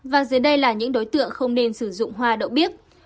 và dưới đây là những đối tượng không nên sử dụng hoa đậu bí